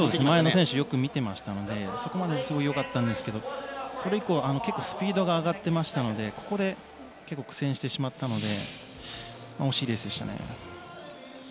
前の選手をよく見ていたのですごいよかったんですがそれ以降、結構スピードが上がっていましたのでここで苦戦してしまったので惜しいレースでしたね。